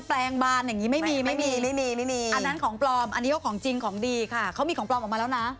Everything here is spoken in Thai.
แปลงบานอย่างนี้ไม่มีไม่มีอันนั้นของปลอมอันนี้ก็ของจริงของดีค่ะเขามีของปลอมออกมาแล้วนะ